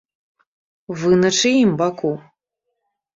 Вы на чыім баку?